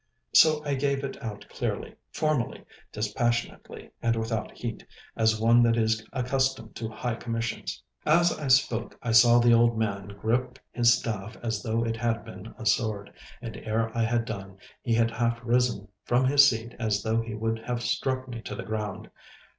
So I gave it out clearly, formally, dispassionately, and without heat, as one that is accustomed to high commissions. As I spoke I saw the old man grip his staff as though it had been a sword, and ere I had done, he had half risen from his seat as though he would have struck me to the ground.